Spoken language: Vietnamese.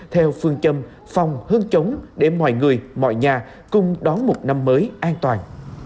theo phương châm phòng hương chống để mọi người mọi nhà cùng đón một năm mới an toàn